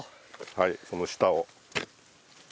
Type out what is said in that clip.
はいその下を。